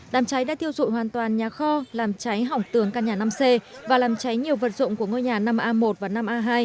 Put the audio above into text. đám cháy đã thiêu dụi hoàn toàn nhà kho làm cháy hỏng tường căn nhà năm c và làm cháy nhiều vật dụng của ngôi nhà năm a một và năm a hai